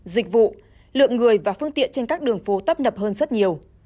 dịch vụ lượng người và phương tiện trên các đường phố tấp nập hơn rất nhiều